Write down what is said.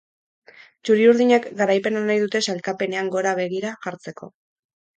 Txuriurdinek garaipena nahi dute sailkapenean gora begira jartzeko.